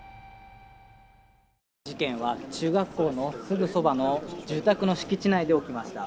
事件は中学校のすぐそばの住宅の敷地内で起きました。